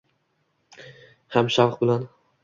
Ham shavq bilan